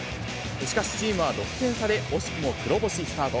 しかし、チームは６点差で惜しくも黒星スタート。